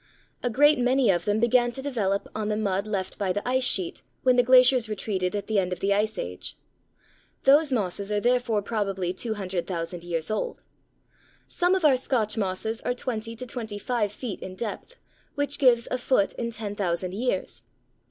A great many of them began to develop on the mud left by the ice sheet when the glaciers retreated at the end of the Ice Age. Those mosses are therefore probably 200,000 years old. Some of our Scotch mosses are twenty to twenty five feet in depth, which gives a foot in 10,000 years.